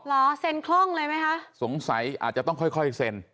หรอเซนคล่องเลยไหมคะสงสัยจะต้องค่อยเซน